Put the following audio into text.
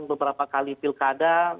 beberapa kali pilkada